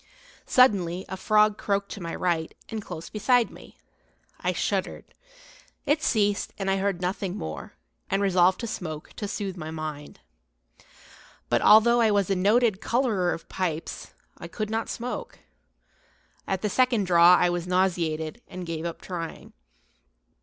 Suddenly a frog croaked to my right, and close beside me. I shuddered. It ceased, and I heard nothing more, and resolved to smoke, to soothe my mind. But, although I was a noted colorer of pipes, I could not smoke; at the second draw I was nauseated, and gave up trying.